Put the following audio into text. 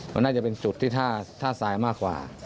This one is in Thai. มันน่าจะเป็นจุดที่ท่าทรายมากกว่า